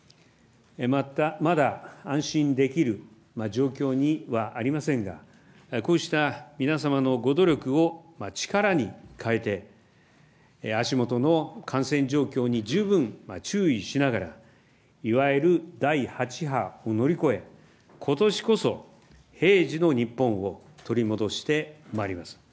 まだ安心できる状況にはありませんが、こうした皆様のご努力を力にかえて、足もとの感染状況に十分注意しながら、いわゆる第８波を乗り越え、ことしこそ、平時の日本を取り戻してまいります。